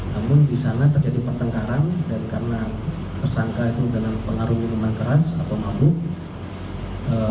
namun di sana terjadi pertengkaran dan karena tersangka itu dengan pengaruh minuman keras atau mabuk